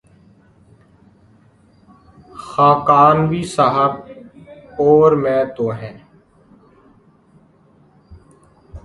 خاکوانی صاحب اور میں تو ہیں۔